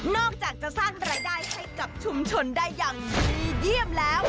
อกจากจะสร้างรายได้ให้กับชุมชนได้อย่างดีเยี่ยมแล้ว